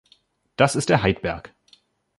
Das ist der Heidberg.